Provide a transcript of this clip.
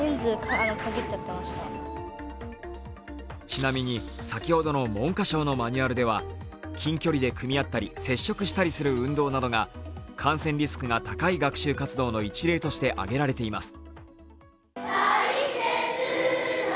ちなみに先ほどの文科省のマニュアルでは近距離で組み合ったり接触したりする運動などが感染リスクが高い学習活動の一例として挙げられています